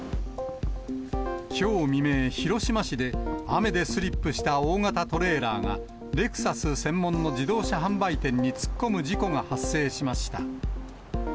きょう未明、広島市で、雨でスリップした大型トレーラーが、レクサス専門の自動車販売店に突っ込む事故が発生しました。